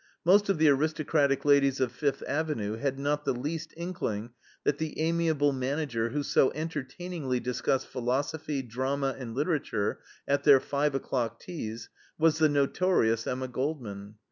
Most of the aristocratic ladies of Fifth Avenue had not the least inkling that the amiable manager who so entertainingly discussed philosophy, drama, and literature at their five o'clock teas, was the "notorious" Emma Goldman.